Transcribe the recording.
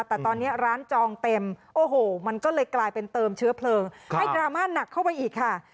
แต่ตอนนี้ร้านจองเต็มโอ้โหมันก็เลยกลายเป็นเติมเชื้อเพลิงให้ดราม่าหนักเข้าไปอีกค่ะ